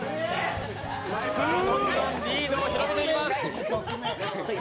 どんどんリードを広げています。